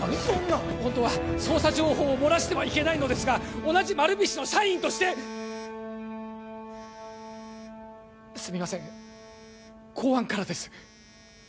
ホントは捜査情報を漏らしてはいけないのですが同じ丸菱の社員としてすみません公安からです